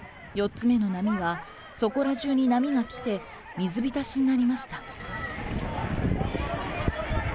４つ目の波は、そこらじゅうに波が来て、水浸しになりました。